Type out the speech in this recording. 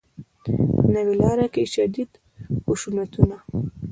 نوې لاره کې شدید خشونتونه